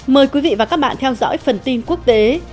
mời quý vị và các bạn theo dõi phần tin quốc tế